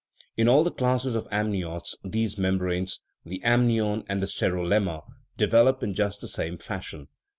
In all the classes of amniotes these membranes (the amnion and the serolemma) develop in just the same fashion.